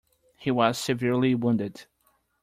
He was severely wounded.